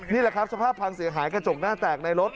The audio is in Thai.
นี่แหละครับสภาพพังเสียหายกระจกหน้าแตกในรถ